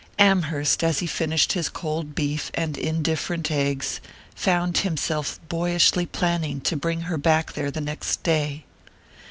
Amherst, as he finished his cold beef and indifferent eggs, found himself boyishly planning to bring her back there the next day....